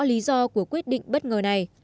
lý do của quyết định bất ngờ này